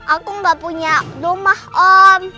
aku nggak punya rumah om